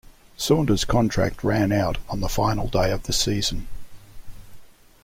Saunders' contract ran out on the final day of the season.